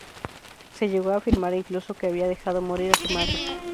Se llegó a afirmar incluso que había dejado morir a su madre.